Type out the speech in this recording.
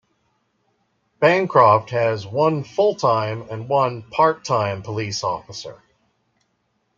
Bancroft has one full-time and one part-time police officer.